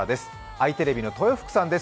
あいテレビの豊福さんです。